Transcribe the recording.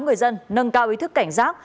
người dân nâng cao ý thức cảnh giác